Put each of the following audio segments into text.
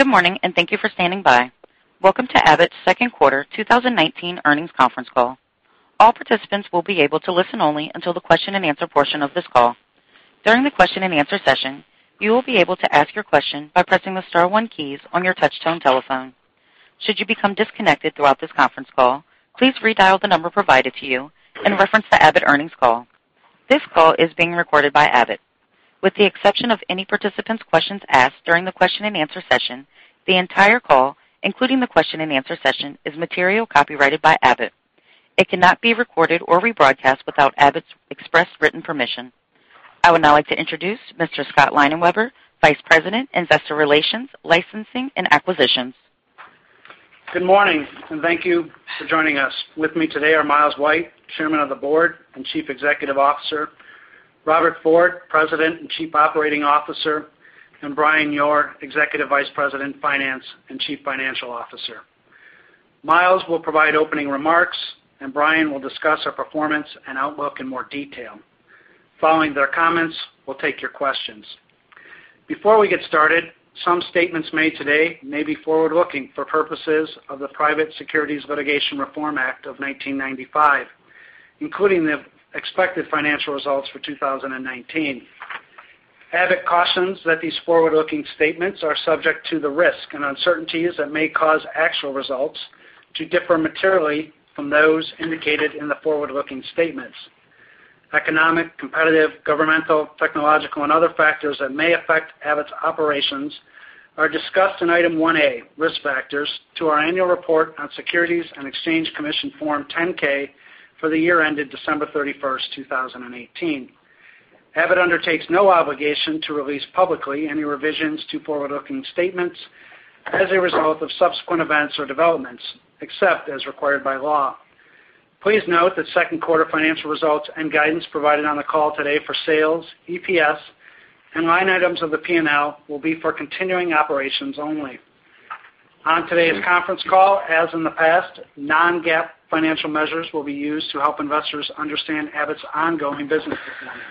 Good morning, and thank you for standing by. Welcome to Abbott's Second Quarter 2019 Earnings Conference Call. All participants will be able to listen only until the question and answer portion of this call. During the question and answer session, you will be able to ask your question by pressing the star one keys on your touchtone telephone. Should you become disconnected throughout this conference call, please redial the number provided to you and reference the Abbott earnings call. This call is being recorded by Abbott. With the exception of any participant's questions asked during the question and answer session, the entire call, including the question and answer session, is material copyrighted by Abbott. It cannot be recorded or rebroadcast without Abbott's express written permission. I would now like to introduce Mr. Scott Leinenweber, Vice President, Investor Relations, Licensing and Acquisitions. Good morning, and thank you for joining us. With me today are Miles White, Chairman of the Board and Chief Executive Officer, Robert Ford, President and Chief Operating Officer, and Brian Yoor, Executive Vice President, Finance and Chief Financial Officer. Miles will provide opening remarks. Brian will discuss our performance and outlook in more detail. Following their comments, we'll take your questions. Before we get started, some statements made today may be forward-looking for purposes of the Private Securities Litigation Reform Act of 1995, including the expected financial results for 2019. Abbott cautions that these forward-looking statements are subject to the risk and uncertainties that may cause actual results to differ materially from those indicated in the forward-looking statements. Economic, competitive, governmental, technological, and other factors that may affect Abbott's operations are discussed in Item 1A, Risk Factors, to our annual report on Securities and Exchange Commission Form 10-K for the year ended December 31st, 2018. Abbott undertakes no obligation to release publicly any revisions to forward-looking statements as a result of subsequent events or developments, except as required by law. Please note that second quarter financial results and guidance provided on the call today for sales, EPS, and line items of the P&L will be for continuing operations only. On today's conference call, as in the past, non-GAAP financial measures will be used to help investors understand Abbott's ongoing business performance.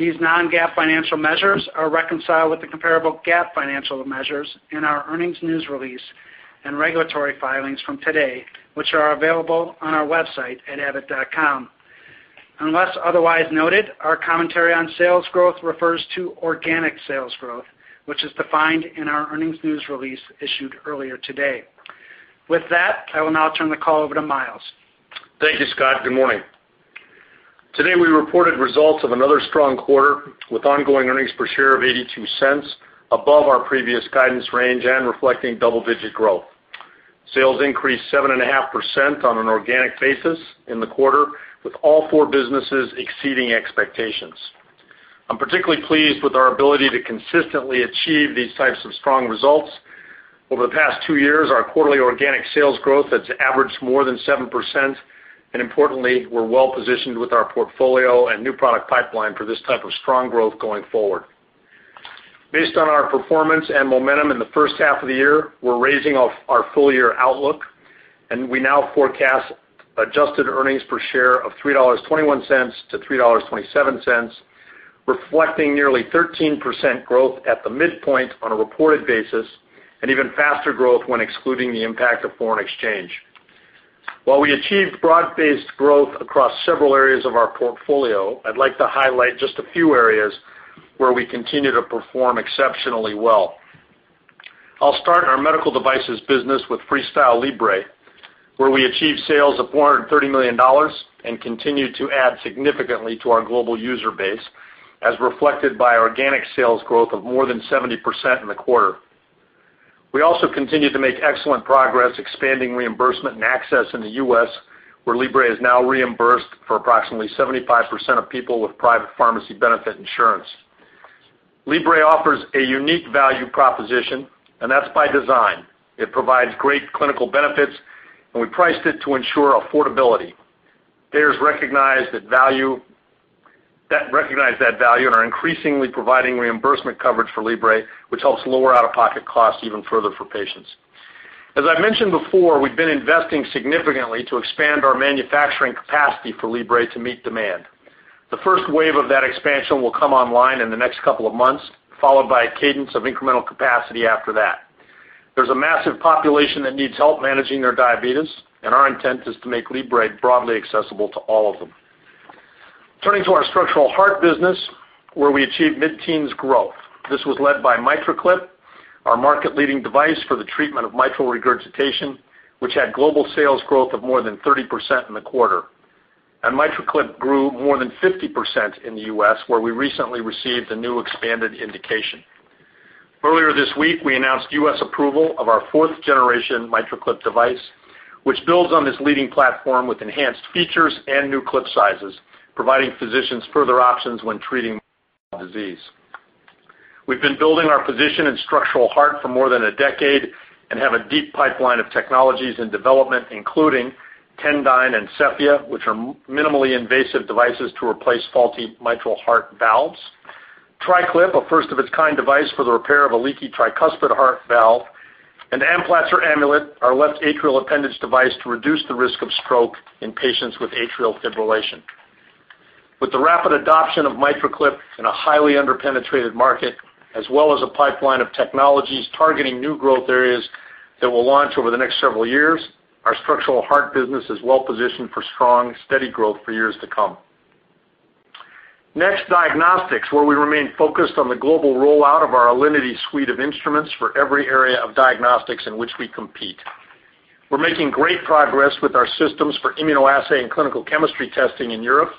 These non-GAAP financial measures are reconciled with the comparable GAAP financial measures in our earnings news release and regulatory filings from today, which are available on our website at abbott.com. Unless otherwise noted, our commentary on sales growth refers to organic sales growth, which is defined in our earnings news release issued earlier today. With that, I will now turn the call over to Miles. Thank you, Scott. Good morning. Today, we reported results of another strong quarter with ongoing earnings per share of $0.82 above our previous guidance range and reflecting double-digit growth. Sales increased 7.5% on an organic basis in the quarter, with all four businesses exceeding expectations. I'm particularly pleased with our ability to consistently achieve these types of strong results. Over the past two years, our quarterly organic sales growth has averaged more than 7%. Importantly, we're well-positioned with our portfolio and new product pipeline for this type of strong growth going forward. Based on our performance and momentum in the first half of the year, we're raising our full-year outlook. We now forecast adjusted earnings per share of $3.21-$3.27, reflecting nearly 13% growth at the midpoint on a reported basis and even faster growth when excluding the impact of foreign exchange. While we achieved broad-based growth across several areas of our portfolio, I'd like to highlight just a few areas where we continue to perform exceptionally well. I'll start in our medical devices business with FreeStyle Libre, where we achieved sales of $430 million and continued to add significantly to our global user base, as reflected by organic sales growth of more than 70% in the quarter. We also continue to make excellent progress expanding reimbursement and access in the U.S., where Libre is now reimbursed for approximately 75% of people with private pharmacy benefit insurance. Libre offers a unique value proposition. That's by design. It provides great clinical benefits. We priced it to ensure affordability. Payers recognize that value and are increasingly providing reimbursement coverage for Libre, which helps lower out-of-pocket costs even further for patients. As I've mentioned before, we've been investing significantly to expand our manufacturing capacity for Libre to meet demand. The first wave of that expansion will come online in the next couple of months, followed by a cadence of incremental capacity after that. There's a massive population that needs help managing their diabetes. Our intent is to make Libre broadly accessible to all of them. Turning to our structural heart business, where we achieved mid-teens growth. This was led by MitraClip, our market-leading device for the treatment of mitral regurgitation, which had global sales growth of more than 30% in the quarter. MitraClip grew more than 50% in the U.S., where we recently received a new expanded indication. Earlier this week, we announced U.S. approval of our fourth generation MitraClip device, which builds on this leading platform with enhanced features and new clip sizes, providing physicians further options when treating mitral disease. We've been building our position in structural heart for more than a decade and have a deep pipeline of technologies in development, including Tendyne and Cephea, which are minimally invasive devices to replace faulty mitral heart valves. TriClip, a first-of-its-kind device for the repair of a leaky tricuspid heart valve. Amplatzer Amulet, our left atrial appendage device to reduce the risk of stroke in patients with atrial fibrillation. With the rapid adoption of MitraClip in a highly under-penetrated market, as well as a pipeline of technologies targeting new growth areas that we'll launch over the next several years, our structural heart business is well positioned for strong, steady growth for years to come. Next, diagnostics, where we remain focused on the global rollout of our Alinity suite of instruments for every area of diagnostics in which we compete. We're making great progress with our systems for immunoassay and clinical chemistry testing in Europe,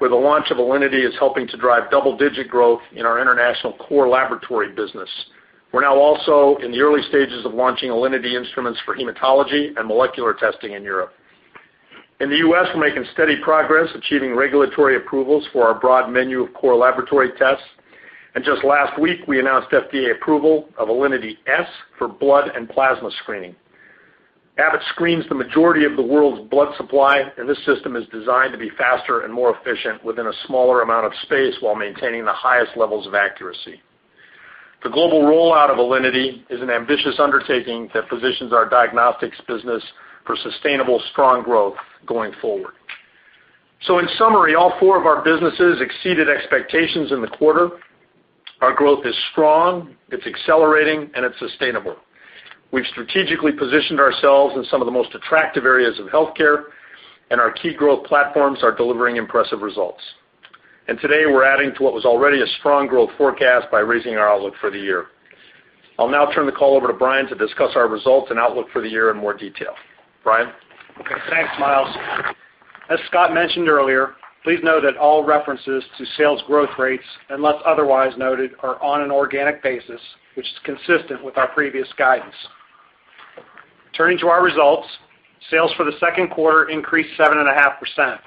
where the launch of Alinity is helping to drive double-digit growth in our international core laboratory business. We're now also in the early stages of launching Alinity instruments for hematology and molecular testing in Europe. In the U.S., we're making steady progress achieving regulatory approvals for our broad menu of core laboratory tests. Just last week, we announced FDA approval of Alinity s for blood and plasma screening. Abbott screens the majority of the world's blood supply, and this system is designed to be faster and more efficient within a smaller amount of space while maintaining the highest levels of accuracy. The global rollout of Alinity is an ambitious undertaking that positions our diagnostics business for sustainable, strong growth going forward. In summary, all four of our businesses exceeded expectations in the quarter. Our growth is strong, it's accelerating, and it's sustainable. We've strategically positioned ourselves in some of the most attractive areas of healthcare, and our key growth platforms are delivering impressive results. Today, we're adding to what was already a strong growth forecast by raising our outlook for the year. I'll now turn the call over to Brian to discuss our results and outlook for the year in more detail. Brian? Thanks, Miles. As Scott mentioned earlier, please note that all references to sales growth rates, unless otherwise noted, are on an organic basis, which is consistent with our previous guidance. Turning to our results, sales for the second quarter increased 7.5%.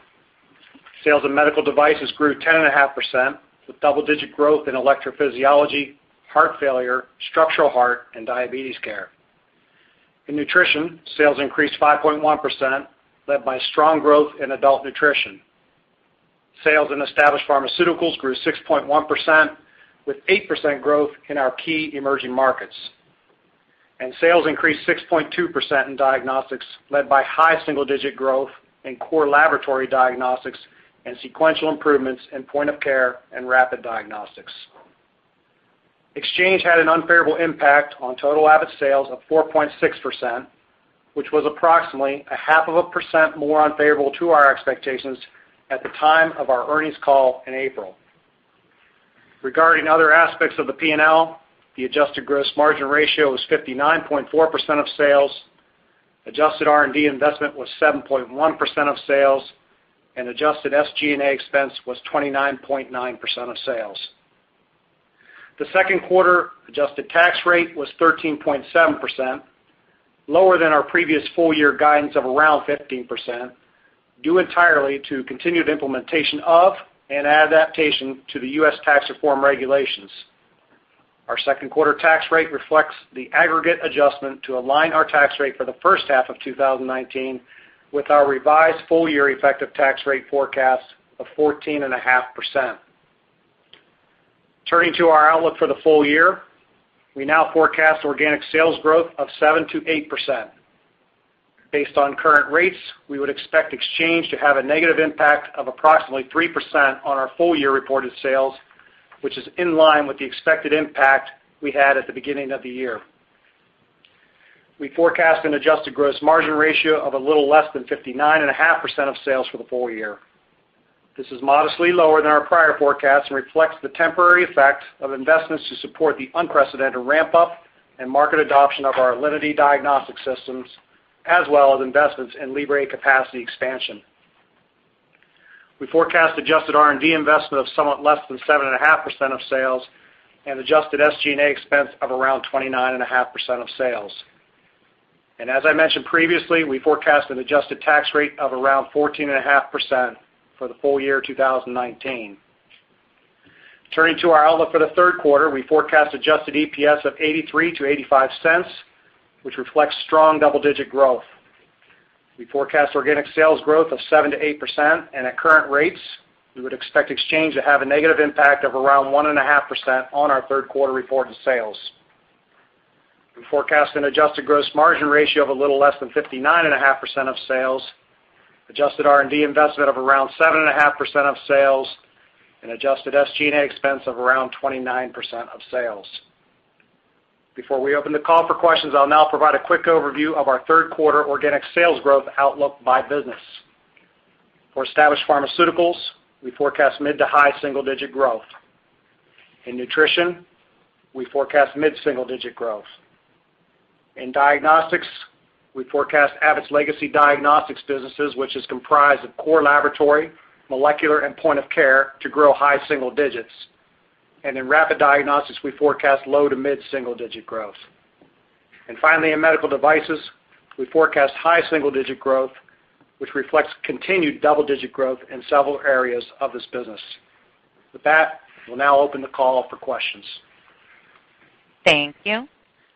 Sales in medical devices grew 10.5%, with double-digit growth in electrophysiology, heart failure, structural heart, and diabetes care. In nutrition, sales increased 5.1%, led by strong growth in adult nutrition. Sales in established pharmaceuticals grew 6.1%, with 8% growth in our key emerging markets. Sales increased 6.2% in diagnostics, led by high single-digit growth in core laboratory diagnostics and sequential improvements in point-of-care and rapid diagnostics. Exchange had an unfavorable impact on total Abbott sales of 4.6%, which was approximately a half of a percent more unfavorable to our expectations at the time of our earnings call in April. Regarding other aspects of the P&L, the adjusted gross margin ratio was 59.4% of sales, adjusted R&D investment was 7.1% of sales, and adjusted SG&A expense was 29.9% of sales. The second quarter adjusted tax rate was 13.7%, lower than our previous full-year guidance of around 15%, due entirely to continued implementation of and adaptation to the U.S. tax reform regulations. Our second quarter tax rate reflects the aggregate adjustment to align our tax rate for the first half of 2019 with our revised full-year effective tax rate forecast of 14.5%. Turning to our outlook for the full year, we now forecast organic sales growth of 7%-8%. Based on current rates, we would expect exchange to have a negative impact of approximately 3% on our full-year reported sales, which is in line with the expected impact we had at the beginning of the year. We forecast an adjusted gross margin ratio of a little less than 59.5% of sales for the full year. This is modestly lower than our prior forecast and reflects the temporary effect of investments to support the unprecedented ramp-up and market adoption of our Alinity diagnostics systems, as well as investments in Libre capacity expansion. We forecast adjusted R&D investment of somewhat less than 7.5% of sales and adjusted SG&A expense of around 29.5% of sales. As I mentioned previously, we forecast an adjusted tax rate of around 14.5% for the full year 2019. Turning to our outlook for the third quarter, we forecast adjusted EPS of $0.83-$0.85, which reflects strong double-digit growth. We forecast organic sales growth of 7%-8%, and at current rates, we would expect exchange to have a negative impact of around 1.5% on our third quarter reported sales. We forecast an adjusted gross margin ratio of a little less than 59.5% of sales, adjusted R&D investment of around 7.5% of sales, and adjusted SG&A expense of around 29% of sales. Before we open the call for questions, I'll now provide a quick overview of our third quarter organic sales growth outlook by business. For established pharmaceuticals, we forecast mid to high single-digit growth. In nutrition, we forecast mid-single digit growth. In diagnostics, we forecast Abbott's legacy diagnostics businesses, which is comprised of core laboratory, molecular, and point of care, to grow high single digits. In rapid diagnostics, we forecast low to mid-single digit growth. Finally, in medical devices, we forecast high single-digit growth, which reflects continued double-digit growth in several areas of this business. With that, we'll now open the call up for questions. Thank you.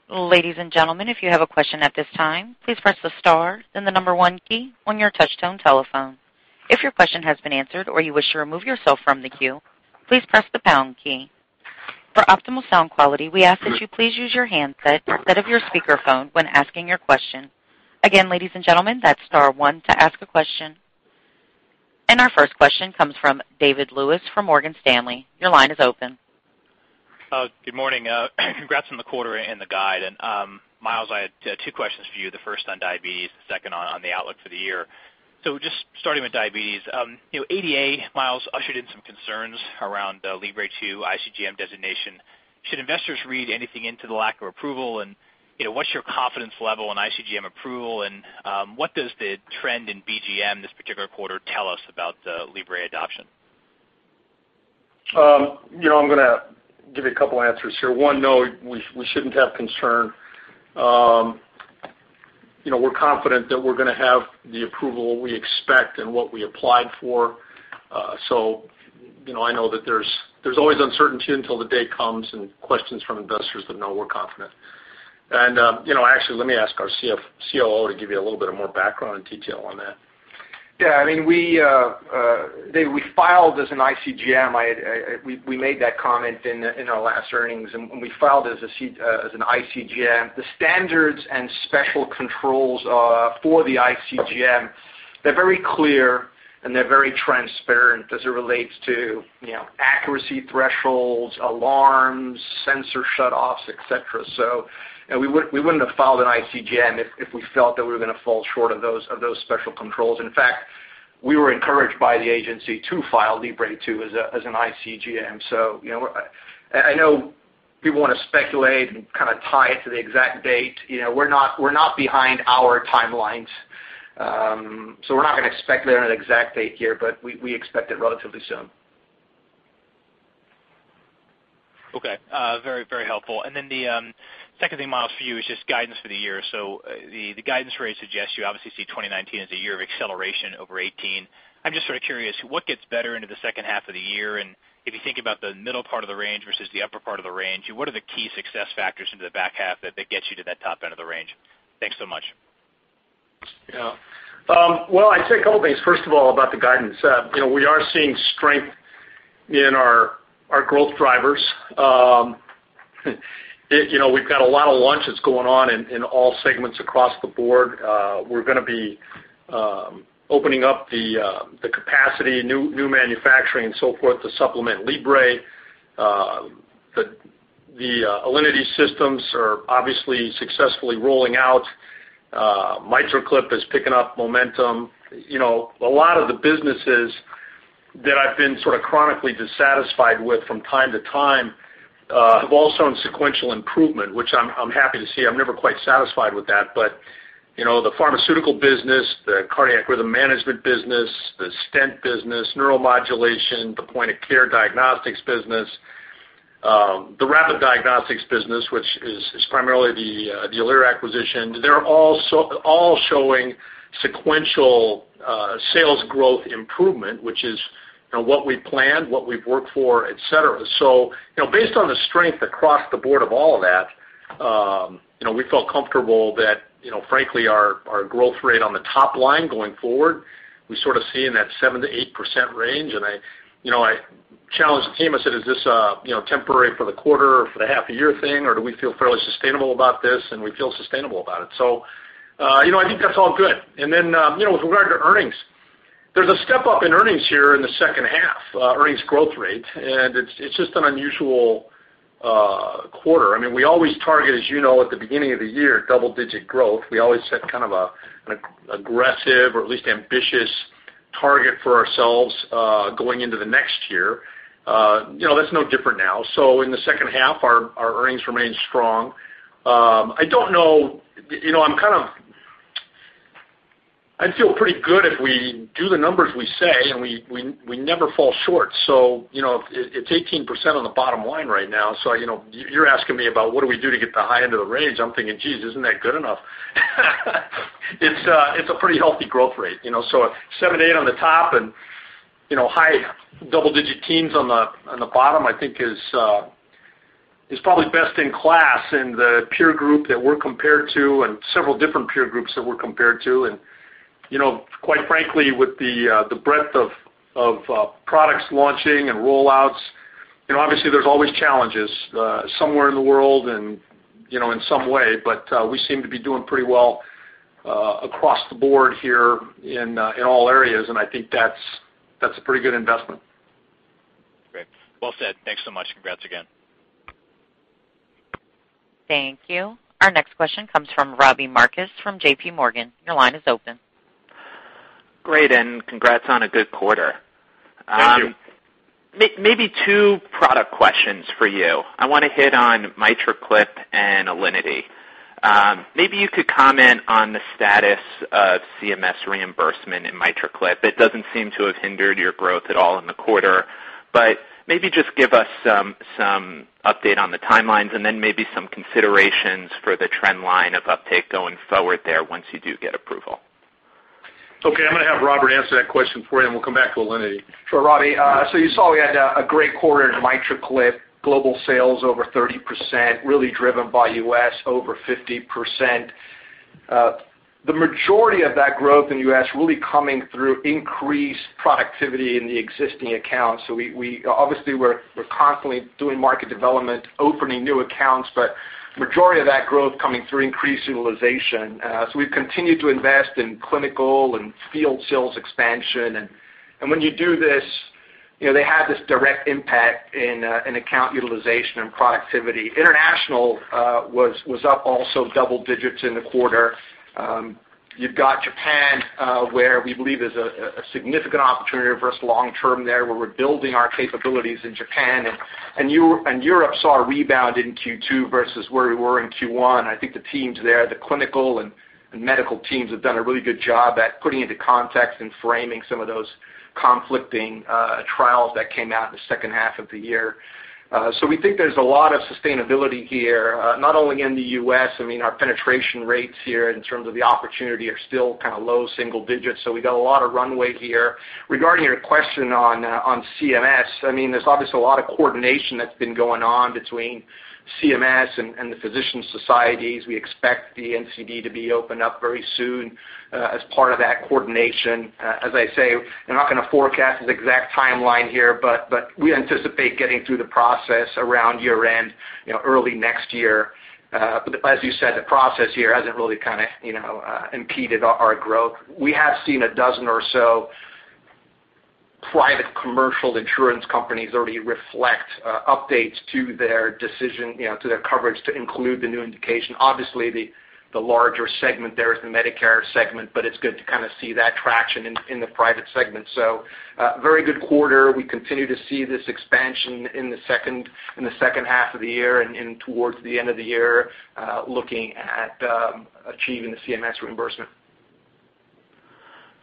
Ladies and gentlemen, if you have a question at this time, please press the star then the number one key on your touchtone telephone. If your question has been answered or you wish to remove yourself from the queue, please press the pound key. For optimal sound quality, we ask that you please use your handset instead of your speakerphone when asking your question. Again, ladies and gentlemen, that's star one to ask a question. Our first question comes from David Lewis from Morgan Stanley. Your line is open. Good morning. Congrats on the quarter and the guide. Miles, I had two questions for you. The first on diabetes, the second on the outlook for the year. Just starting with diabetes. ADA, Miles, ushered in some concerns around the Libre 2 iCGM designation. Should investors read anything into the lack of approval? What's your confidence level on iCGM approval? What does the trend in BGM this particular quarter tell us about Libre adoption? I'm going to give you a couple of answers here. One, no, we shouldn't have concern. We're confident that we're going to have the approval we expect and what we applied for. I know that there's always uncertainty until the day comes and questions from investors, but no, we're confident. Actually, let me ask our COO to give you a little bit more background and detail on that. We filed as an iCGM. We made that comment in our last earnings and when we filed as an iCGM. The standards and special controls for the iCGM, they're very clear, and they're very transparent as it relates to accuracy thresholds, alarms, sensor shutoffs, et cetera. We wouldn't have filed an iCGM if we felt that we were going to fall short of those special controls. In fact, we were encouraged by the agency to file Libre 2 as an iCGM. I know people want to speculate and kind of tie it to the exact date. We're not behind our timelines. We're not going to speculate on an exact date here, but we expect it relatively soon. Okay. Very helpful. Then the second thing, Miles, for you is just guidance for the year. The guidance rate suggests you obviously see 2019 as a year of acceleration over 2018. I'm just sort of curious, what gets better into the second half of the year? If you think about the middle part of the range versus the upper part of the range, what are the key success factors into the back half that gets you to that top end of the range? Thanks so much. I'd say a couple things, first of all, about the guidance. We are seeing strength in our growth drivers. We've got a lot of launches going on in all segments across the board. We're going to be opening up the capacity, new manufacturing, and so forth to supplement Libre. The Alinity systems are obviously successfully rolling out. MitraClip is picking up momentum. A lot of the businesses that I've been sort of chronically dissatisfied with from time to time have also shown sequential improvement, which I'm happy to see. I'm never quite satisfied with that. The pharmaceutical business, the cardiac rhythm management business, the stent business, Neuromodulation, the point of care diagnostics business, the rapid diagnostics business, which is primarily the Alere acquisition. They're all showing sequential sales growth improvement, which is what we planned, what we've worked for, et cetera. Based on the strength across the board of all of that, we felt comfortable that, frankly, our growth rate on the top line going forward, we sort of see in that 7%-8% range. I challenged the team. I said, "Is this temporary for the quarter or for the half a year thing, or do we feel fairly sustainable about this?" We feel sustainable about it. I think that's all good. With regard to earnings, there's a step-up in earnings here in the second half, earnings growth rate, and it's just an unusual quarter. We always target, as you know, at the beginning of the year, double-digit growth. We always set kind of an aggressive or at least ambitious target for ourselves going into the next year. That's no different now. In the second half, our earnings remain strong. I feel pretty good if we do the numbers we say, and we never fall short. It's 18% on the bottom line right now. You're asking me about what do we do to get the high end of the range. I'm thinking, jeez, isn't that good enough? It's a pretty healthy growth rate. 7%, 8% on the top and high double-digit teens on the bottom, I think is probably best in class in the peer group that we're compared to and several different peer groups that we're compared to. Quite frankly, with the breadth of products launching and rollouts, obviously there's always challenges somewhere in the world and in some way, but we seem to be doing pretty well across the board here in all areas, and I think that's a pretty good investment. Great. Well said. Thanks so much. Congrats again. Thank you. Our next question comes from Robbie Marcus from JPMorgan. Your line is open. Great, congrats on a good quarter. Thank you. Maybe two product questions for you. I want to hit on MitraClip and Alinity. Maybe you could comment on the status of CMS reimbursement in MitraClip. It doesn't seem to have hindered your growth at all in the quarter, but maybe just give us some update on the timelines and then maybe some considerations for the trend line of uptake going forward there once you do get approval. Okay. I'm going to have Robert answer that question for you, and we'll come back to Alinity. Sure, Robbie. You saw we had a great quarter in MitraClip, global sales over 30%, really driven by U.S., over 50%. The majority of that growth in U.S. really coming through increased productivity in the existing accounts. Obviously, we're constantly doing market development, opening new accounts, but majority of that growth coming through increased utilization. We've continued to invest in clinical and field sales expansion. When you do this, they have this direct impact in account utilization and productivity. International was up also double digits in the quarter. You've got Japan, where we believe there's a significant opportunity for us long-term there, where we're building our capabilities in Japan. Europe saw a rebound in Q2 versus where we were in Q1. I think the teams there, the clinical and medical teams have done a really good job at putting into context and framing some of those conflicting trials that came out in the second half of the year. We think there's a lot of sustainability here, not only in the U.S., our penetration rates here in terms of the opportunity are still low single digits, we've got a lot of runway here. Regarding your question on CMS, there's obviously a lot of coordination that's been going on between CMS and the physician societies. We expect the NCD to be opened up very soon as part of that coordination. As I say, I'm not going to forecast the exact timeline here, but we anticipate getting through the process around year-end, early next year. As you said, the process here hasn't really impeded our growth. We have seen a dozen or so private commercial insurance companies already reflect updates to their decision, to their coverage to include the new indication. Obviously, the larger segment there is the Medicare segment, but it's good to see that traction in the private segment. Very good quarter. We continue to see this expansion in the second half of the year and towards the end of the year, looking at achieving the CMS reimbursement.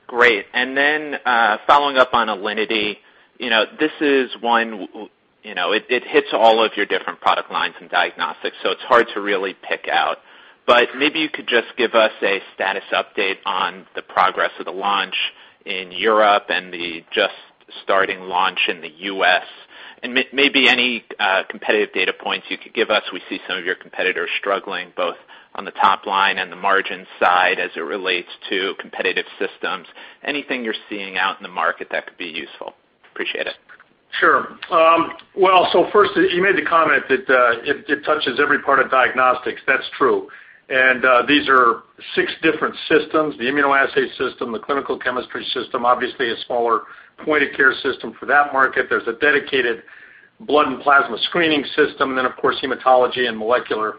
Great. Then, following up on Alinity. This is one, it hits all of your different product lines and diagnostics, it's hard to really pick out. Maybe you could just give us a status update on the progress of the launch in Europe and the just starting launch in the U.S., and maybe any competitive data points you could give us. We see some of your competitors struggling, both on the top line and the margin side as it relates to competitive systems. Anything you're seeing out in the market that could be useful. Appreciate it. Sure. First, you made the comment that it touches every part of diagnostics. That's true. These are six different systems, the immunoassay system, the clinical chemistry system, obviously a smaller point-of-care system for that market. There's a dedicated blood and plasma screening system, then, of course, hematology and molecular.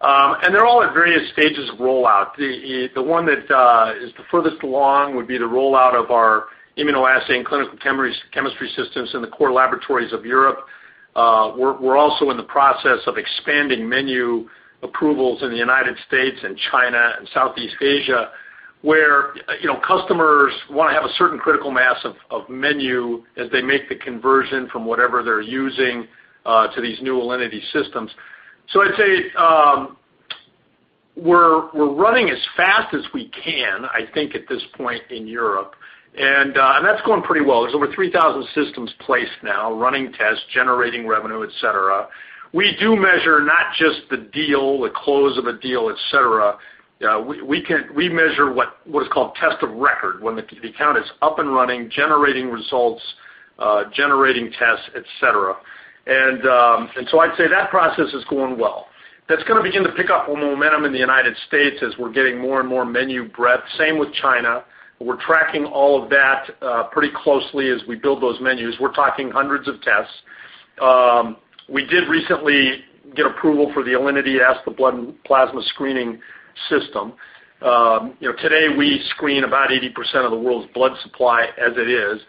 They're all at various stages of rollout. The one that is the furthest along would be the rollout of our immunoassay and clinical chemistry systems in the core laboratories of Europe. We're also in the process of expanding menu approvals in the United States and China and Southeast Asia, where customers want to have a certain critical mass of menu as they make the conversion from whatever they're using to these new Alinity systems. I'd say, we're running as fast as we can, I think, at this point in Europe, and that's going pretty well. There's over 3,000 systems placed now, running tests, generating revenue, et cetera. We do measure not just the deal, the close of a deal, et cetera. We measure what is called test of record, when the account is up and running, generating results, generating tests, et cetera. I'd say that process is going well. That's going to begin to pick up more momentum in the United States as we're getting more and more menu breadth. Same with China. We're tracking all of that pretty closely as we build those menus. We're talking hundreds of tests. We did recently get approval for the Alinity s, the blood and plasma screening system. Today, we screen about 80% of the world's blood supply as it is.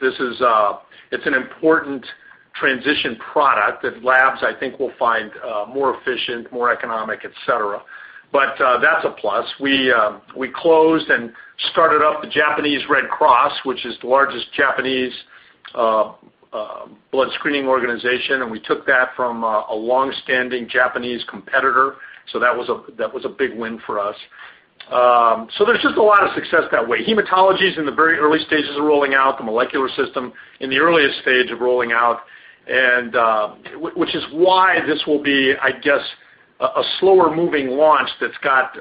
It's an important transition product that labs, I think, will find more efficient, more economic, et cetera. That's a plus. We closed and started up the Japanese Red Cross, which is the largest Japanese blood screening organization, and we took that from a long-standing Japanese competitor. That was a big win for us. There's just a lot of success that way. Hematology is in the very early stages of rolling out, the molecular system in the earliest stage of rolling out, which is why this will be, I guess, a slower-moving launch that's got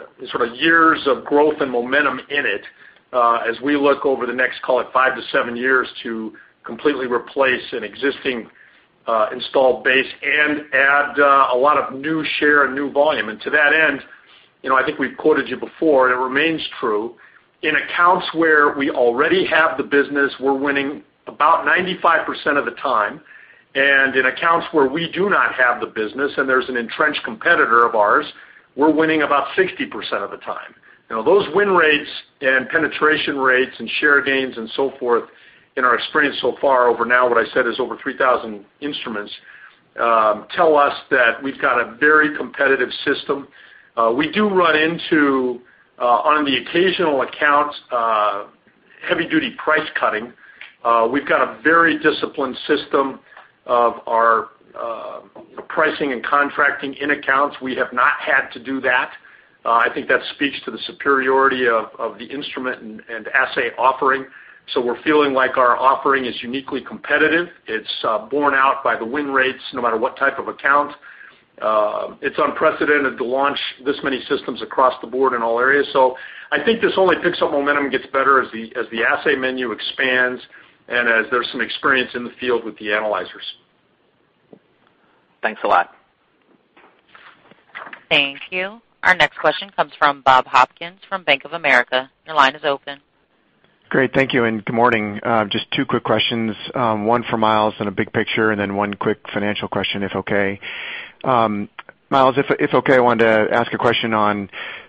years of growth and momentum in it as we look over the next, call it five to seven years, to completely replace an existing installed base and add a lot of new share and new volume. To that end, I think we've quoted you before, and it remains true. In accounts where we already have the business, we're winning about 95% of the time, in accounts where we do not have the business and there's an entrenched competitor of ours, we're winning about 60% of the time. Those win rates and penetration rates and share gains and so forth in our experience so far over now what I said is over 3,000 instruments, tell us that we've got a very competitive system. We do run into, on the occasional accounts, heavy-duty price cutting. We've got a very disciplined system of our pricing and contracting in accounts. We have not had to do that. I think that speaks to the superiority of the instrument and assay offering. We're feeling like our offering is uniquely competitive. It's borne out by the win rates, no matter what type of account. It's unprecedented to launch this many systems across the board in all areas. I think this only picks up momentum and gets better as the assay menu expands and as there's some experience in the field with the analyzers. Thanks a lot. Thank you. Our next question comes from Bob Hopkins from Bank of America. Your line is open. Great. Thank you, and good morning. Just two quick questions, one for Miles on a big picture, and then one quick financial question, if okay. Miles, if okay, I wanted to ask a question on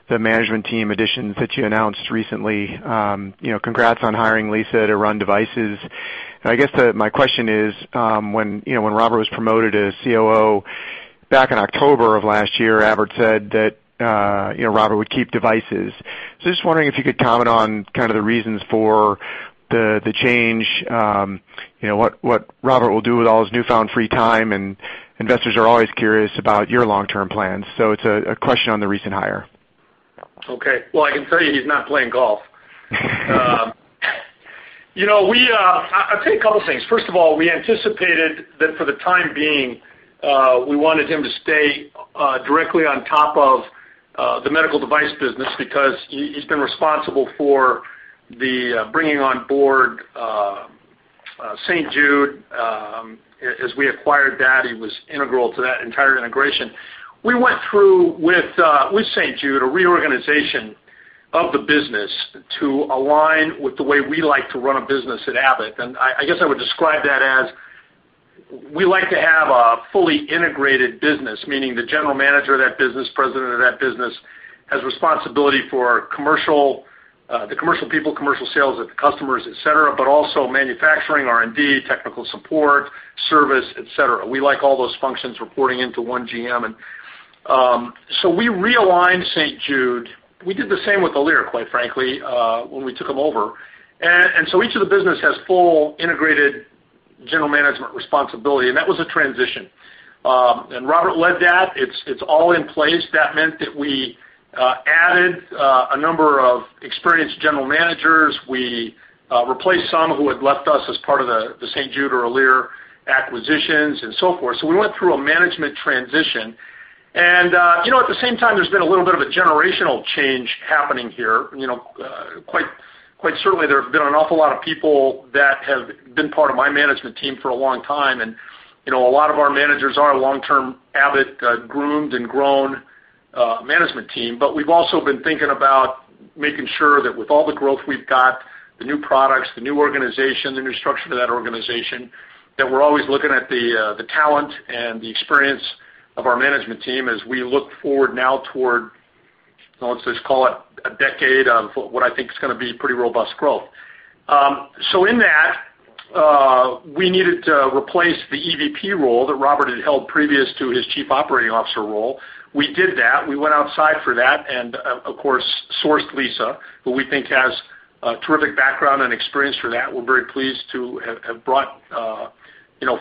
the management team additions that you announced recently. Congrats on hiring Lisa to run devices. I guess that my question is, when Robert was promoted as COO back in October of last year, Abbott said that Robert would keep devices. Just wondering if you could comment on the reasons for the change, what Robert will do with all his newfound free time, and investors are always curious about your long-term plans. It's a question on the recent hire. Well, I can tell you he's not playing golf. I'll tell you a couple of things. First of all, we anticipated that for the time being, we wanted him to stay directly on top of the medical device business because he's been responsible for the bringing on board St. Jude. As we acquired that, he was integral to that entire integration. We went through, with St. Jude, a reorganization of the business to align with the way we like to run a business at Abbott. I guess I would describe that as we like to have a fully integrated business, meaning the general manager of that business, president of that business, has responsibility for the commercial people, commercial sales at the customers, et cetera, but also manufacturing, R&D, technical support, service, et cetera. We like all those functions reporting into one GM. We realigned St. Jude. We did the same with Alere, quite frankly, when we took them over. Each of the business has full integrated general management responsibility, and that was a transition. Robert led that. It's all in place. That meant that we added a number of experienced general managers. We replaced some who had left us as part of the St. Jude or Alere acquisitions and so forth. We went through a management transition. At the same time, there's been a little bit of a generational change happening here. Quite certainly, there have been an awful lot of people that have been part of my management team for a long time, and a lot of our managers are long-term Abbott-groomed and grown management team. We've also been thinking about making sure that with all the growth we've got, the new products, the new organization, the new structure to that organization, that we're always looking at the talent and the experience of our management team as we look forward now toward, let's just call it a decade of what I think is going to be pretty robust growth. In that, we needed to replace the EVP role that Robert had held previous to his Chief Operating Officer role. We did that. We went outside for that and, of course, sourced Lisa, who we think has a terrific background and experience for that. We're very pleased to have brought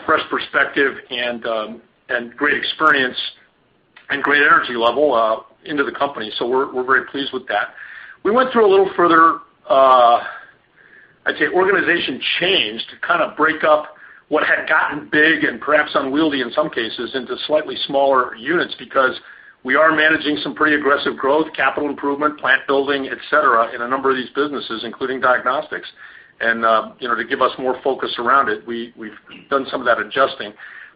fresh perspective and great experience and great energy level into the company. We're very pleased with that. We went through a little further, I'd say, organization change to kind of break up what had gotten big and perhaps unwieldy in some cases into slightly smaller units because we are managing some pretty aggressive growth, capital improvement, plant building, et cetera, in a number of these businesses, including diagnostics. To give us more focus around it, we've done some of that adjusting.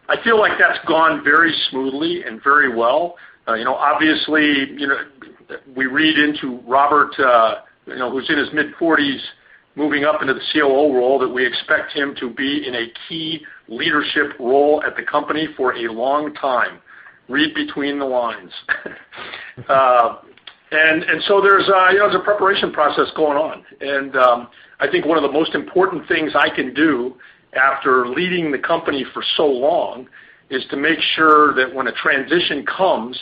I feel like that's gone very smoothly and very well. Obviously, we read into Robert, who's in his mid-40s, moving up into the COO role, that we expect him to be in a key leadership role at the company for a long time. Read between the lines. There's a preparation process going on. I think one of the most important things I can do after leading the company for so long is to make sure that when a transition comes,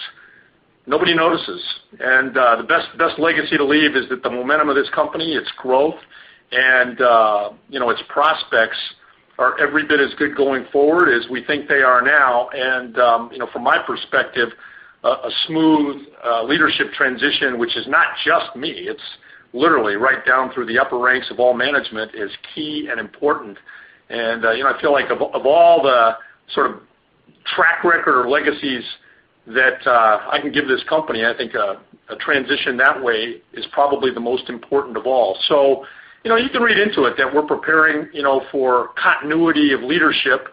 nobody notices. The best legacy to leave is that the momentum of this company, its growth, and its prospects are every bit as good going forward as we think they are now. From my perspective, a smooth leadership transition, which is not just me, it's literally right down through the upper ranks of all management, is key and important. I feel like of all the track record or legacies that I can give this company, I think a transition that way is probably the most important of all. You can read into it that we're preparing for continuity of leadership,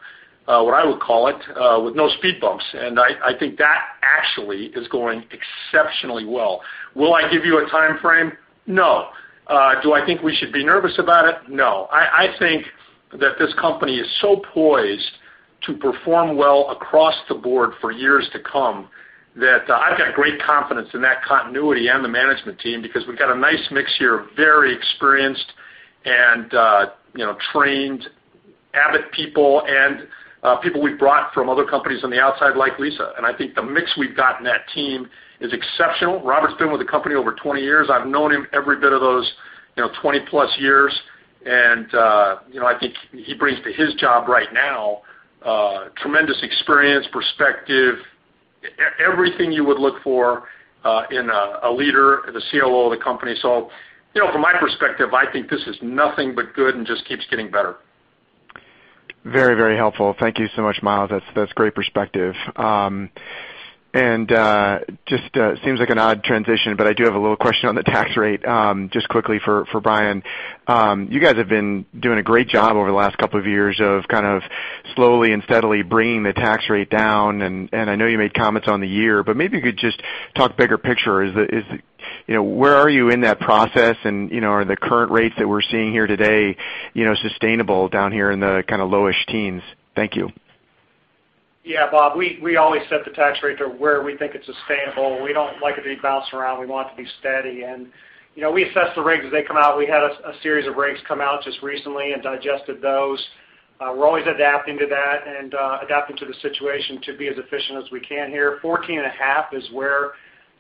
what I would call it, with no speed bumps. I think that actually is going exceptionally well. Will I give you a timeframe? No. Do I think we should be nervous about it? No. I think that this company is so poised to perform well across the board for years to come that I've got great confidence in that continuity and the management team because we've got a nice mix here of very experienced and trained Abbott people and people we've brought from other companies on the outside, like Lisa. I think the mix we've got in that team is exceptional. Robert has been with the company over 20 years. I've known him every bit of those 20-plus years, and I think he brings to his job right now tremendous experience, perspective, everything you would look for in a leader, the COO of the company. From my perspective, I think this is nothing but good and just keeps getting better. Very helpful. Thank you so much, Miles. That's great perspective. Just seems like an odd transition, but I do have a little question on the tax rate, just quickly for Brian. You guys have been doing a great job over the last couple of years of kind of slowly and steadily bringing the tax rate down, and I know you made comments on the year, but maybe you could just talk bigger picture. Where are you in that process, are the current rates that we're seeing here today sustainable down here in the kind of lowish teens? Thank you. Yeah, Bob, we always set the tax rate to where we think it's sustainable. We don't like it to be bouncing around. We want it to be steady. We assess the rates as they come out. We had a series of rates come out just recently and digested those. We're always adapting to that and adapting to the situation to be as efficient as we can here. 14.5% is where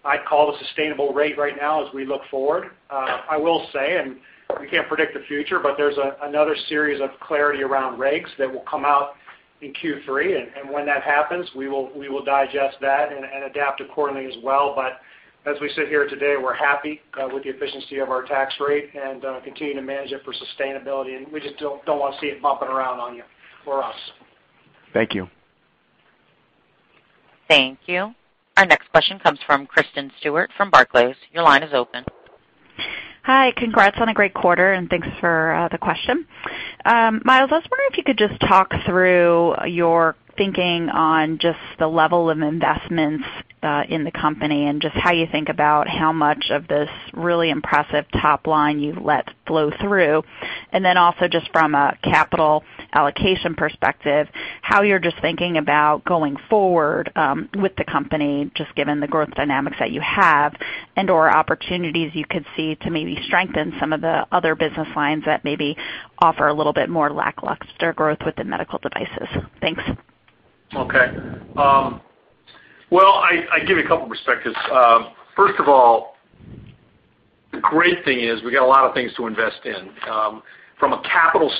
I'd call the sustainable rate right now as we look forward. I will say, we can't predict the future, but there's another series of clarity around regs that will come out in Q3, and when that happens, we will digest that and adapt accordingly as well. As we sit here today, we're happy with the efficiency of our tax rate and continue to manage it for sustainability. We just don't want to see it bumping around on you or us. Thank you. Thank you. Our next question comes from Kristen Stewart from Barclays. Your line is open. Hi. Congrats on a great quarter. Thanks for the question. Miles, I was wondering if you could just talk through your thinking on just the level of investments in the company and just how you think about how much of this really impressive top line you've let flow through. Also just from a capital allocation perspective, how you're just thinking about going forward with the company, just given the growth dynamics that you have and/or opportunities you could see to maybe strengthen some of the other business lines that maybe offer a little bit more lackluster growth within medical devices. Thanks. I'll give you a couple perspectives. First of all, the great thing is we got a lot of things to invest in. From a capital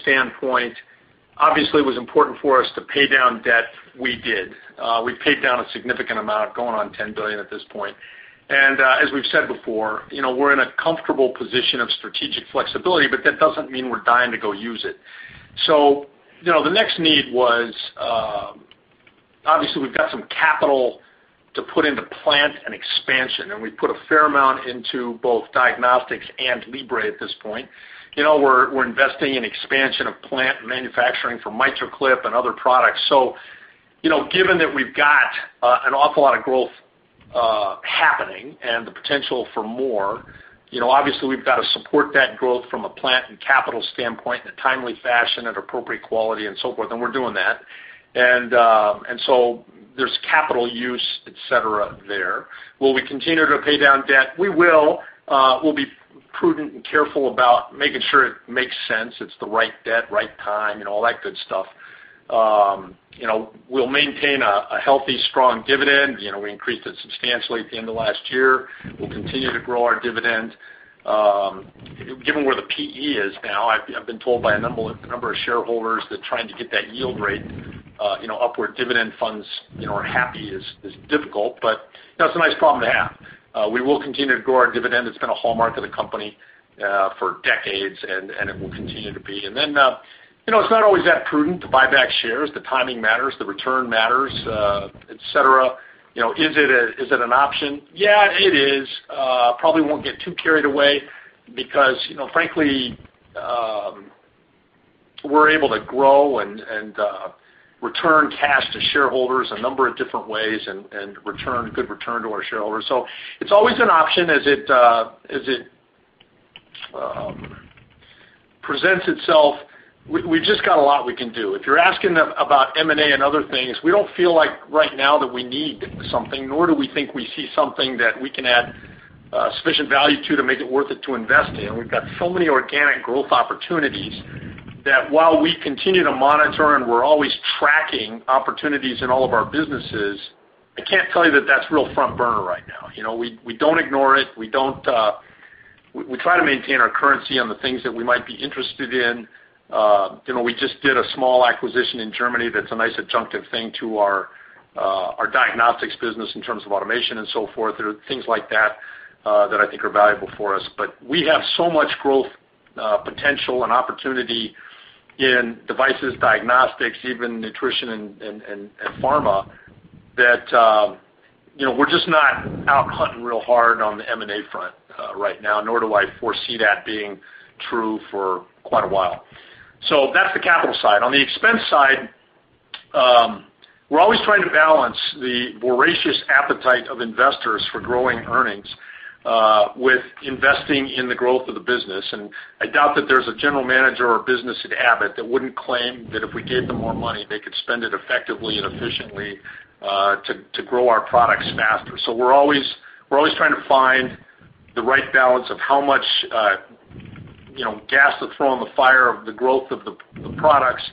standpoint, obviously, it was important for us to pay down debt. We did. We paid down a significant amount, going on $10 billion at this point. As we've said before, we're in a comfortable position of strategic flexibility, but that doesn't mean we're dying to go use it. The next need was, obviously, we've got some capital to put into plant and expansion, and we put a fair amount into both diagnostics and Libre at this point. We're investing in expansion of plant manufacturing for MitraClip and other products. Given that we've got an awful lot of growth happening and the potential for more, obviously, we've got to support that growth from a plant and capital standpoint in a timely fashion at appropriate quality and so forth, and we're doing that. There's capital use, et cetera, there. Will we continue to pay down debt? We will. We'll be prudent and careful about making sure it makes sense. It's the right debt, right time, and all that good stuff. We'll maintain a healthy, strong dividend. We increased it substantially at the end of last year. We'll continue to grow our dividend. Given where the PE is now, I've been told by a number of shareholders that trying to get that yield rate upward dividend funds are happy is difficult, but that's a nice problem to have. We will continue to grow our dividend. It's been a hallmark of the company for decades, and it will continue to be. It's not always that prudent to buy back shares. The timing matters, the return matters, et cetera. Is it an option? Yeah, it is. Probably won't get too carried away because, frankly, we're able to grow and return cash to shareholders a number of different ways and return good return to our shareholders. It's always an option as it presents itself. We've just got a lot we can do. If you're asking about M&A and other things, we don't feel like right now that we need something, nor do we think we see something that we can add sufficient value to make it worth it to invest in. We've got so many organic growth opportunities that while we continue to monitor and we're always tracking opportunities in all of our businesses, I can't tell you that that's real front burner right now. We don't ignore it. We try to maintain our currency on the things that we might be interested in. We just did a small acquisition in Germany that's a nice adjunctive thing to our diagnostics business in terms of automation and so forth, or things like that I think are valuable for us. We have so much growth potential and opportunity in devices, diagnostics, even nutrition and pharma that we're just not out hunting real hard on the M&A front right now, nor do I foresee that being true for quite a while. That's the capital side. On the expense side, we're always trying to balance the voracious appetite of investors for growing earnings, with investing in the growth of the business. I doubt that there's a general manager or business at Abbott that wouldn't claim that if we gave them more money, they could spend it effectively and efficiently to grow our products faster. We're always trying to find the right balance of how much gas to throw on the fire of the growth of the products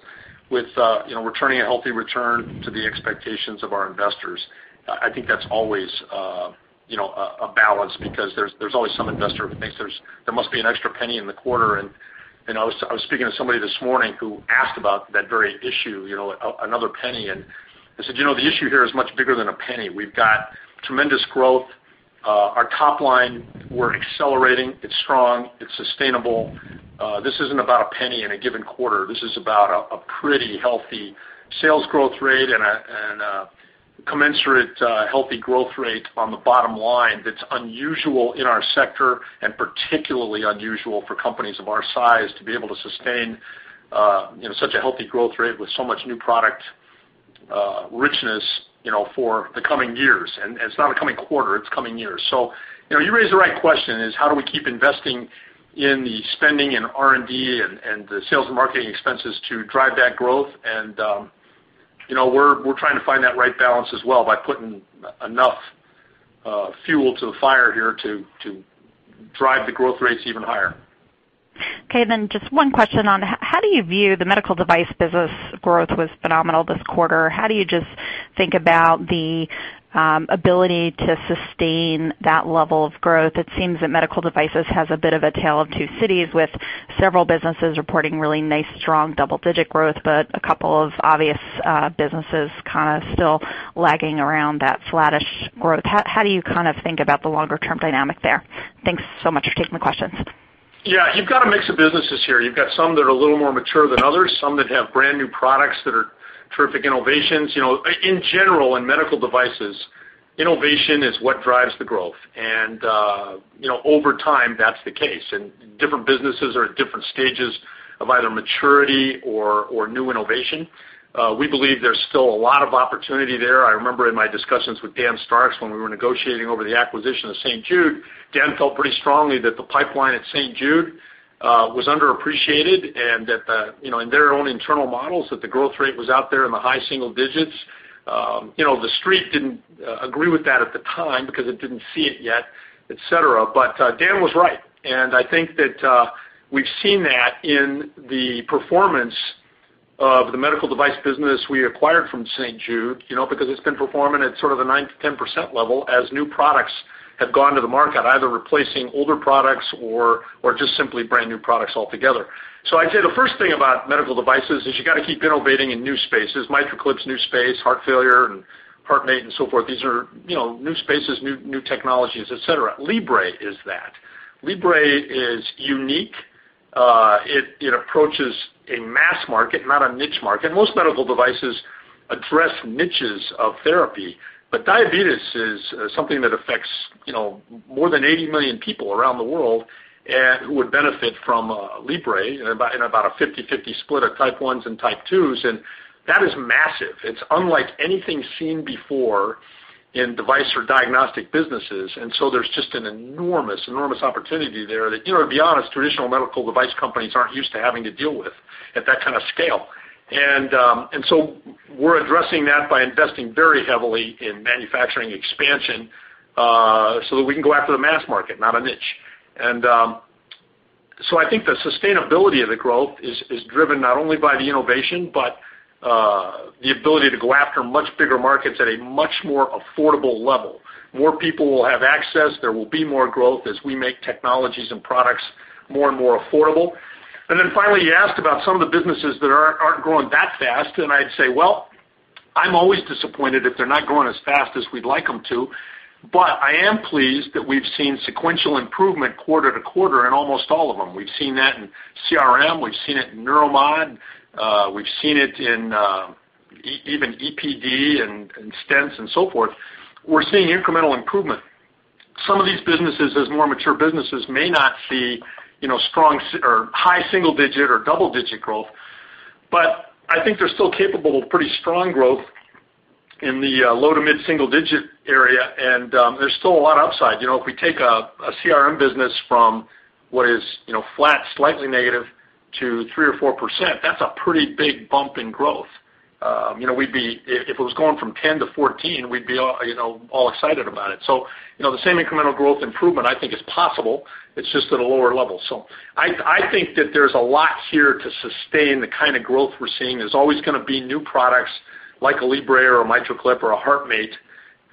with returning a healthy return to the expectations of our investors. I think that's always a balance because there's always some investor who thinks there must be an extra penny in the quarter. I was speaking to somebody this morning who asked about that very issue, another penny. I said, "The issue here is much bigger than a penny. We've got tremendous growth. Our top line, we're accelerating. It's strong, it's sustainable. This isn't about a penny in a given quarter. This is about a pretty healthy sales growth rate and a commensurate healthy growth rate on the bottom line that's unusual in our sector, and particularly unusual for companies of our size to be able to sustain such a healthy growth rate with so much new product richness for the coming years. It's not a coming quarter, it's coming years. You raise the right question is how do we keep investing in the spending in R&D and the sales and marketing expenses to drive that growth? We're trying to find that right balance as well by putting enough fuel to the fire here to drive the growth rates even higher. Okay, just one question on how do you view the medical device business growth was phenomenal this quarter. How do you just think about the ability to sustain that level of growth? It seems that medical devices has a bit of a tale of two cities with several businesses reporting really nice, strong double-digit growth, but a couple of obvious businesses kind of still lagging around that flattish growth. How do you think about the longer-term dynamic there? Thanks so much for taking the questions. Yeah. You've got a mix of businesses here. You've got some that are a little more mature than others, some that have brand-new products that are terrific innovations. In general, in medical devices, innovation is what drives the growth, and over time, that's the case. Different businesses are at different stages of either maturity or new innovation. We believe there's still a lot of opportunity there. I remember in my discussions with Dan Starks when we were negotiating over the acquisition of St. Jude, Dan felt pretty strongly that the pipeline at St. Jude was underappreciated, and in their own internal models, that the growth rate was out there in the high single digits. The Street didn't agree with that at the time because it didn't see it yet, et cetera. Dan was right, and I think that we've seen that in the performance of the medical device business we acquired from St. Jude, because it's been performing at sort of the 9%-10% level as new products have gone to the market, either replacing older products or just simply brand-new products altogether. I'd say the first thing about medical devices is you got to keep innovating in new spaces. MitraClip, new space, heart failure, and HeartMate, and so forth. These are new spaces, new technologies, et cetera. Libre is that. Libre is unique. It approaches a mass market, not a niche market. Most medical devices address niches of therapy, but diabetes is something that affects more than 80 million people around the world and who would benefit from Libre in about a 50/50 split of Type 1s and Type 2s, and that is massive. It's unlike anything seen before in device or diagnostic businesses, there's just an enormous opportunity there that, to be honest, traditional medical device companies aren't used to having to deal with at that kind of scale. We're addressing that by investing very heavily in manufacturing expansion, so that we can go after the mass market, not a niche. I think the sustainability of the growth is driven not only by the innovation, but the ability to go after much bigger markets at a much more affordable level. More people will have access. There will be more growth as we make technologies and products more and more affordable. Finally, you asked about some of the businesses that aren't growing that fast, and I'd say, well, I'm always disappointed if they're not growing as fast as we'd like them to, but I am pleased that we've seen sequential improvement quarter to quarter in almost all of them. We've seen that in CRM. We've seen it in Neuromod. We've seen it in even EPD and stents and so forth. We're seeing incremental improvement. Some of these businesses, as more mature businesses, may not see high single digit or double-digit growth, but I think they're still capable of pretty strong growth in the low to mid single digit area, and there's still a lot of upside. If we take a CRM business from what is flat, slightly negative to 3%-4%, that's a pretty big bump in growth. If it was going from 10-14, we'd be all excited about it. The same incremental growth improvement I think is possible. It's just at a lower level. I think that there's a lot here to sustain the kind of growth we're seeing. There's always going to be new products like a Libre or a MitraClip or a HeartMate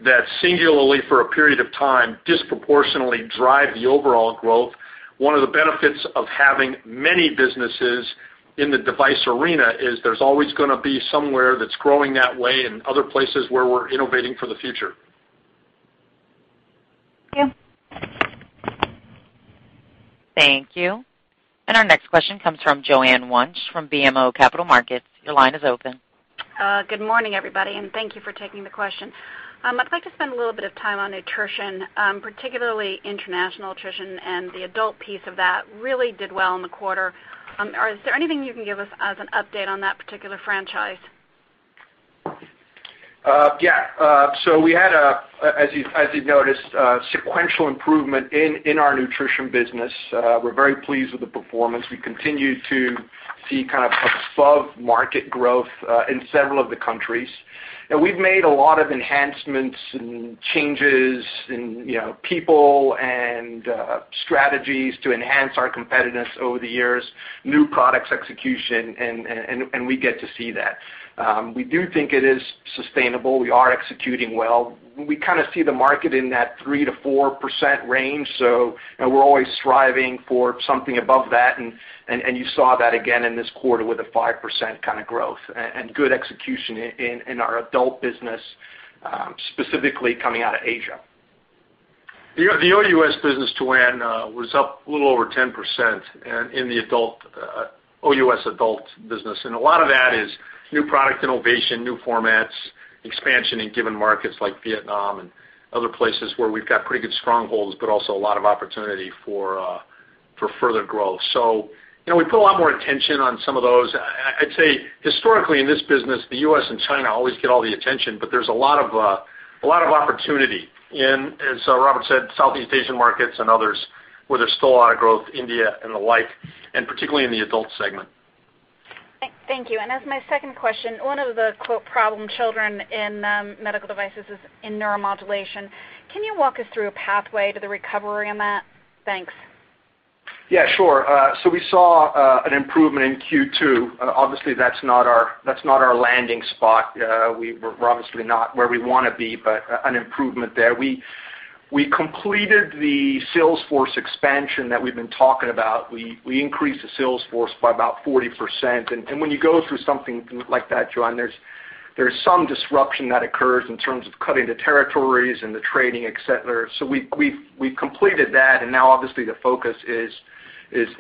that singularly for a period of time, disproportionately drive the overall growth. One of the benefits of having many businesses in the device arena is there's always going to be somewhere that's growing that way and other places where we're innovating for the future. Thank you. Thank you. Our next question comes from Joanne Wuensch from BMO Capital Markets. Your line is open. Good morning, everybody, and thank you for taking the question. I'd like to spend a little bit of time on nutrition, particularly international nutrition and the adult piece of that really did well in the quarter. Is there anything you can give us as an update on that particular franchise? Yeah. We had, as you've noticed, sequential improvement in our nutrition business. We're very pleased with the performance. We continue to see kind of above-market growth in several of the countries. We've made a lot of enhancements and changes in people and strategies to enhance our competitiveness over the years, new products execution, and we get to see that. We do think it is sustainable. We are executing well. We kind of see the market in that 3%-4% range. We're always striving for something above that, and you saw that again in this quarter with a 5% kind of growth and good execution in our adult business, specifically coming out of Asia. The OUS business, Joanne, was up a little over 10% in the OUS adult business. A lot of that is new product innovation, new formats, expansion in given markets like Vietnam and other places where we've got pretty good strongholds, also a lot of opportunity for further growth. We put a lot more attention on some of those. I'd say historically in this business, the U.S. and China always get all the attention, but there's a lot of opportunity in, as Robert said, Southeast Asian markets and others where there's still a lot of growth, India and the like, and particularly in the adult segment. Thank you. As my second question, one of the "problem children" in medical devices is in Neuromodulation. Can you walk us through a pathway to the recovery on that? Thanks. Yeah, sure. We saw an improvement in Q2. Obviously, that's not our landing spot. We're obviously not where we want to be, but an improvement there. We completed the sales force expansion that we've been talking about. We increased the sales force by about 40%. When you go through something like that, Joanne, there's some disruption that occurs in terms of cutting the territories and the trading, et cetera. We've completed that, and now obviously the focus is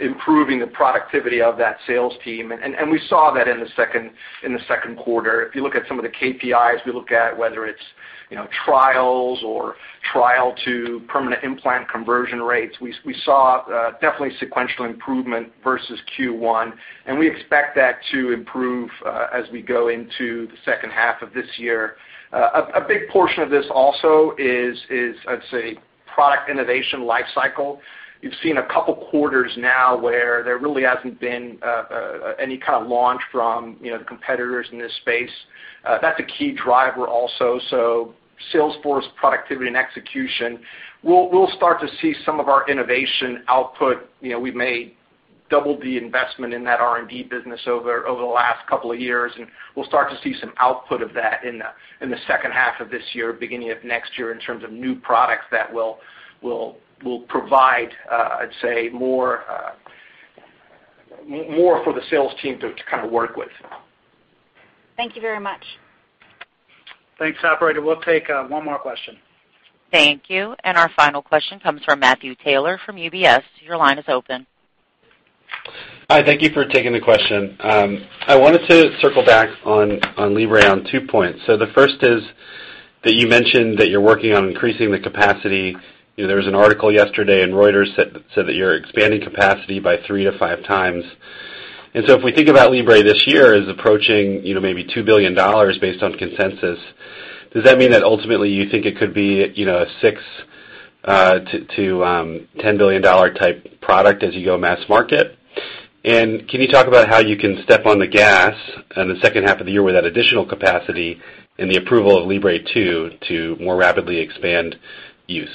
improving the productivity of that sales team. We saw that in the second quarter. If you look at some of the KPIs, we look at whether it's trials or trial-to-permanent implant conversion rates. We saw definitely sequential improvement versus Q1, and we expect that to improve as we go into the second half of this year. A big portion of this also is, I'd say, product innovation life cycle. You've seen a couple of quarters now where there really hasn't been any kind of launch from the competitors in this space. That's a key driver also. Sales force productivity and execution. We'll start to see some of our innovation output. We've made double the investment in that R&D business over the last couple of years, and we'll start to see some output of that in the second half of this year, beginning of next year in terms of new products that will provide, I'd say, more for the sales team to kind of work with. Thank you very much. Thanks, operator. We'll take one more question. Thank you. Our final question comes from Matthew Taylor from UBS. Your line is open. Hi. Thank you for taking the question. I wanted to circle back on Libre on two points. The first is that you mentioned that you're working on increasing the capacity. There was an article yesterday in Reuters that said that you're expanding capacity by three to five times. If we think about Libre this year as approaching maybe $2 billion based on consensus, does that mean that ultimately you think it could be a $6 billion-$10 billion type product as you go mass market? Can you talk about how you can step on the gas in the second half of the year with that additional capacity and the approval of Libre 2 to more rapidly expand use?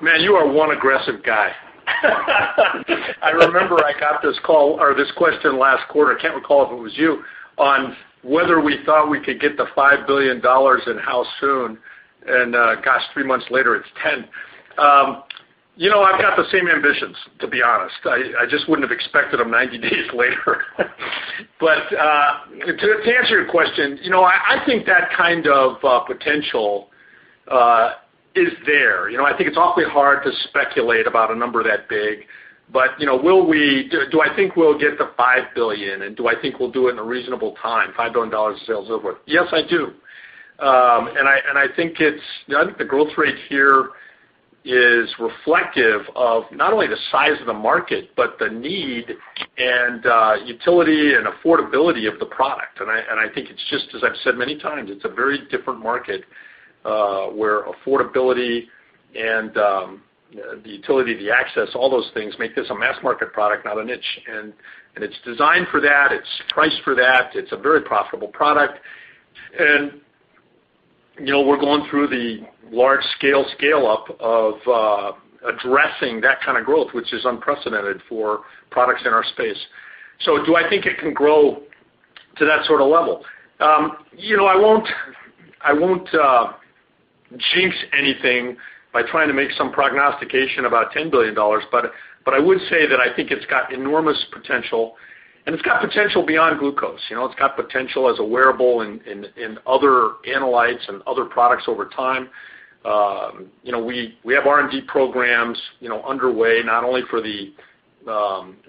Matt, you are one aggressive guy. I remember I got this call or this question last quarter, I can't recall if it was you, on whether we thought we could get to $5 billion and how soon, gosh, three months later it's 10. I've got the same ambitions, to be honest. I just wouldn't have expected them 90 days later. To answer your question, I think that kind of potential is there. I think it's awfully hard to speculate about a number that big. Do I think we'll get to $5 billion and do I think we'll do it in a reasonable time, $5 billion in sales over? Yes, I do. I think the growth rate here is reflective of not only the size of the market, but the need and utility and affordability of the product. I think it's just as I've said many times, it's a very different market, where affordability and the utility, the access, all those things make this a mass market product, not a niche. It's designed for that. It's priced for that. It's a very profitable product. We're going through the large scale scale-up of addressing that kind of growth, which is unprecedented for products in our space. Do I think it can grow to that sort of level? I won't jinx anything by trying to make some prognostication about $10 billion, I would say that I think it's got enormous potential and it's got potential beyond glucose. It's got potential as a wearable in other analytes and other products over time. We have R&D programs underway not only for the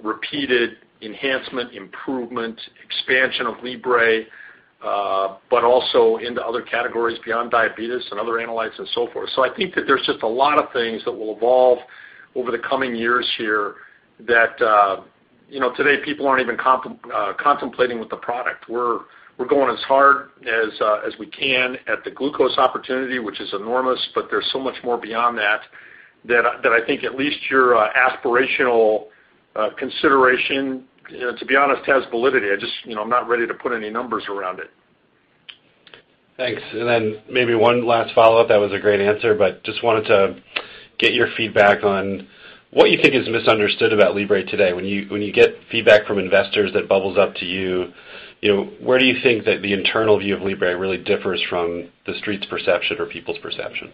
repeated enhancement, improvement, expansion of Libre, but also into other categories beyond diabetes and other analytes and so forth. I think that there's just a lot of things that will evolve over the coming years here that today people aren't even contemplating with the product. We're going as hard as we can at the glucose opportunity, which is enormous, there's so much more beyond that I think at least your aspirational consideration, to be honest, has validity. I'm not ready to put any numbers around it. Thanks. Maybe one last follow-up. That was a great answer. Just wanted to get your feedback on what you think is misunderstood about Libre today. When you get feedback from investors that bubbles up to you, where do you think that the internal view of Libre really differs from the street's perception or people's perception?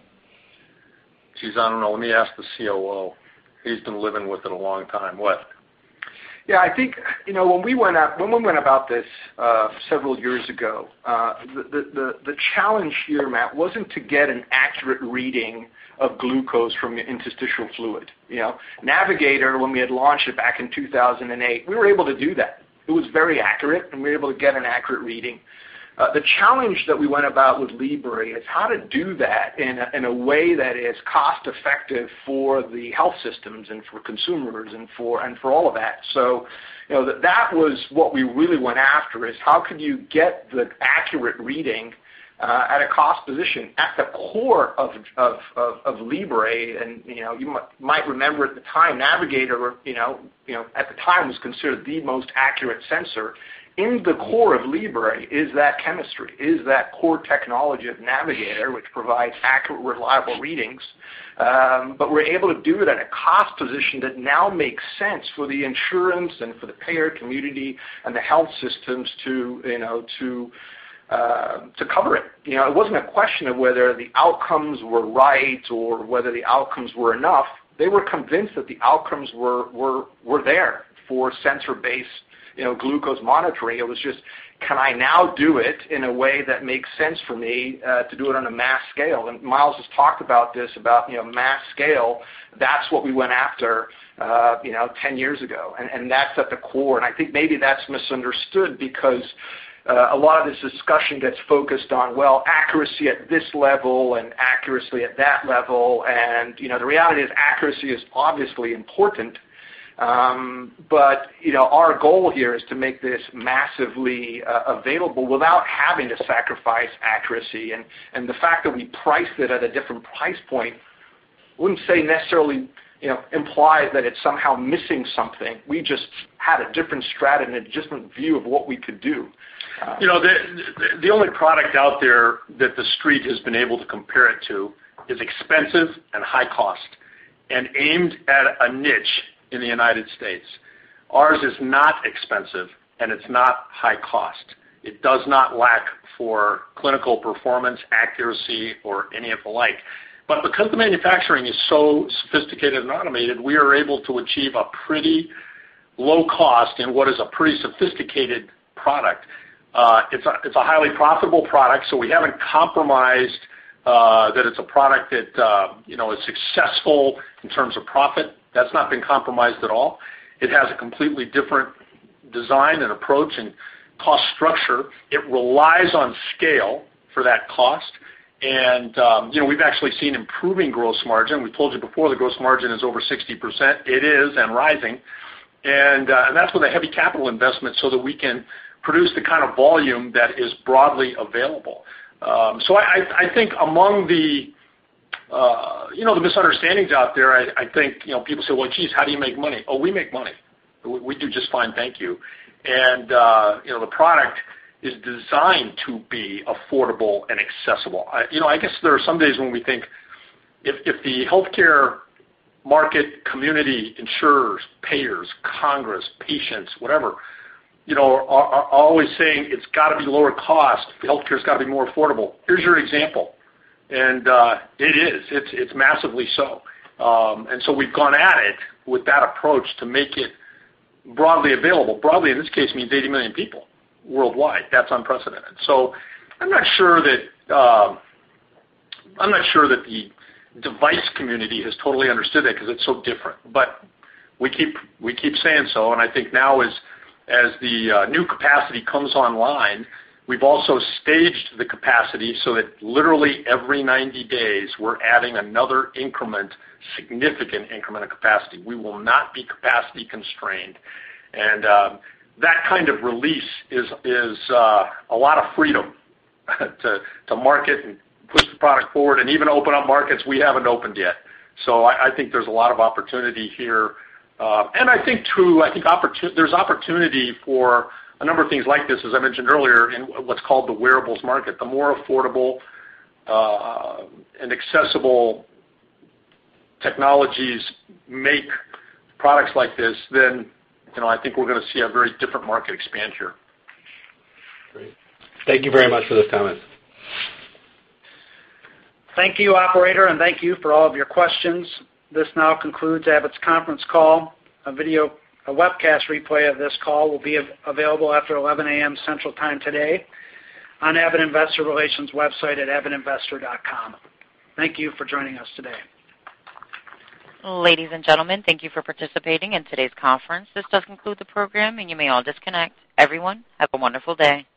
Geez, I don't know. Let me ask the COO. He's been living with it a long time. What? Yeah, I think when we went about this several years ago, the challenge here, Matt, wasn't to get an accurate reading of glucose from the interstitial fluid. Navigator, when we had launched it back in 2008, we were able to do that. It was very accurate, and we were able to get an accurate reading. The challenge that we went about with Libre is how to do that in a way that is cost-effective for the health systems and for consumers and for all of that. That was what we really went after, is how could you get the accurate reading at a cost position at the core of Libre. You might remember at the time, Navigator at the time was considered the most accurate sensor. In the core of Libre is that chemistry, is that core technology of Navigator, which provides accurate, reliable readings. We're able to do it at a cost position that now makes sense for the insurance and for the payer community and the health systems to cover it. It wasn't a question of whether the outcomes were right or whether the outcomes were enough. They were convinced that the outcomes were there for sensor-based glucose monitoring. It was just, "Can I now do it in a way that makes sense for me to do it on a mass scale?" Miles has talked about this, about mass scale. That's what we went after 10 years ago, and that's at the core. I think maybe that's misunderstood because a lot of this discussion gets focused on, well, accuracy at this level and accuracy at that level. The reality is accuracy is obviously important. Our goal here is to make this massively available without having to sacrifice accuracy. The fact that we priced it at a different price point wouldn't say necessarily imply that it's somehow missing something. We just had a different strata and a different view of what we could do. The only product out there that the Street has been able to compare it to is expensive and high cost and aimed at a niche in the U.S. Ours is not expensive, and it's not high cost. It does not lack for clinical performance, accuracy, or any of the like. Because the manufacturing is so sophisticated and automated, we are able to achieve a pretty low cost in what is a pretty sophisticated product. It's a highly profitable product, we haven't compromised that it's a product that is successful in terms of profit. That's not been compromised at all. It has a completely different design and approach and cost structure. It relies on scale for that cost. We've actually seen improving gross margin. We told you before, the gross margin is over 60%. It is and rising. That's with a heavy capital investment so that we can produce the kind of volume that is broadly available. I think among the misunderstandings out there, I think people say, "Well, geez, how do you make money?" Oh, we make money. We do just fine, thank you. The product is designed to be affordable and accessible. I guess there are some days when we think if the healthcare market community, insurers, payers, Congress, patients, whatever, are always saying, "It's got to be lower cost. Healthcare's got to be more affordable," here's your example. It is. It's massively so. We've gone at it with that approach to make it broadly available. Broadly, in this case, means 80 million people worldwide. That's unprecedented. I'm not sure that the device community has totally understood it because it's so different. We keep saying so, and I think now as the new capacity comes online, we've also staged the capacity so that literally every 90 days, we're adding another increment, significant increment of capacity. We will not be capacity constrained. That kind of release is a lot of freedom to market and push the product forward and even open up markets we haven't opened yet. I think there's a lot of opportunity here. I think, too, there's opportunity for a number of things like this, as I mentioned earlier, in what's called the wearables market. The more affordable and accessible technologies make products like this, then I think we're going to see a very different market expand here. Great. Thank you very much for those comments. Thank you, operator, and thank you for all of your questions. This now concludes Abbott's conference call. A webcast replay of this call will be available after 11:00 A.M. Central Time today on Abbott Investor Relations website at abbottinvestor.com. Thank you for joining us today. Ladies and gentlemen, thank you for participating in today's conference. This does conclude the program, and you may all disconnect. Everyone, have a wonderful day.